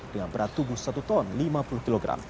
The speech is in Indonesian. dengan berat tubuh satu ton lima puluh kg